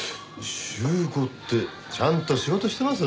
週５ってちゃんと仕事してます？